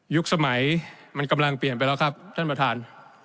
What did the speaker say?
สมัยมันกำลังเปลี่ยนไปแล้วครับท่านประธาน